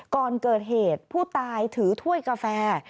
ก่อนเกิดเหตุผู้ตายถือถ้วยกาแฟ